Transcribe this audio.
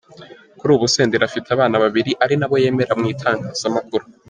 Kuri ubu Senderi afite abana babiri ari na bo yemera mu itangazamakuru.